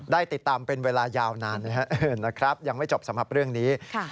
ได้ติดตามเป็นเวลายาวนานนะครับยังไม่จบสำหรับเรื่องนี้